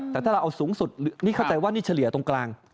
แต่ถ้าเราเอาสูงสุดนี่เข้าใจว่านี่เฉลี่ยตรงกลาง